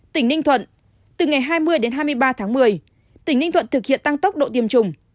tỉnh ninh thuận từ ngày hai mươi đến hai mươi ba tháng một mươi tỉnh ninh thuận thực hiện tăng tốc độ tiêm chủng